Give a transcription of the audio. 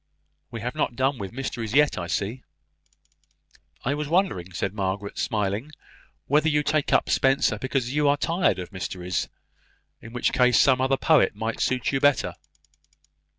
We have not done with mysteries yet, I see." "I was wondering," said Margaret smiling, "whether you take up Spenser because you are tired of mysteries. In such a case, some other poet might suit you better."